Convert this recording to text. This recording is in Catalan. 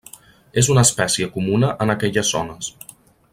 És una espècie comuna en aquelles zones.